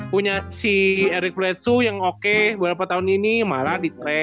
punya si eric bledsoe yang oke beberapa tahun ini malah di trade